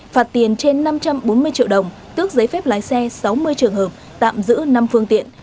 phạt tiền trên năm trăm bốn mươi triệu đồng tước giấy phép lái xe sáu mươi trường hợp tạm giữ năm phương tiện